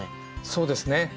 そうですね。